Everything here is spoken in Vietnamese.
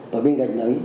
và bên cạnh đấy